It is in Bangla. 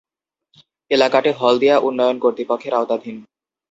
এলাকাটি হলদিয়া উন্নয়ন কর্তৃপক্ষের আওতাধীন।